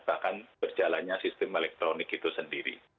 bahkan berjalannya sistem elektronik itu sendiri